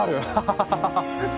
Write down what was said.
ハハハハッ！